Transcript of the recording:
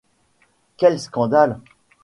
Quel scandale !